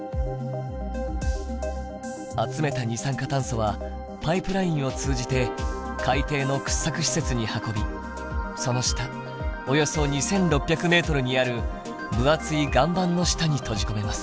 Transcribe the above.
集めた二酸化炭素はパイプラインを通じて海底の掘削施設に運びその下およそ２，６００メートルにある分厚い岩盤の下に閉じ込めます。